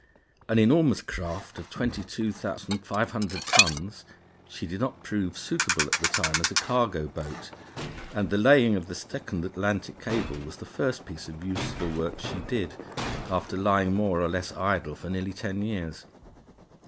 An enormous craft of 22,500 tons, she did not prove suitable at that time as a cargo boat; and the laying of the second Atlantic cable was the first piece of useful work she did, after lying more or less idle for nearly ten years.